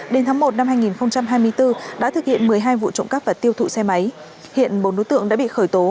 đến tháng một năm hai nghìn hai mươi bốn đã thực hiện một mươi hai vụ trộm cắp và tiêu thụ xe máy hiện bốn đối tượng đã bị khởi tố